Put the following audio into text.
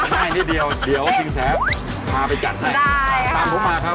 ไม่นี่เดี๋ยวสิงแสพาไปจัดให้ตามผมมาครับ